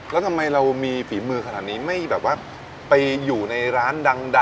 แล้วทำไมเรามีฝีมือขนาดนี้ไม่แบบว่าไปอยู่ในร้านดัง